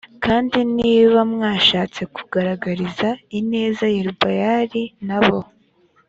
kandi niba mwashatse kugaragariza ineza yerubayali n abo